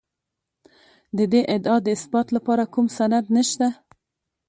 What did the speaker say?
د دې ادعا د اثبات لپاره کوم سند نشته.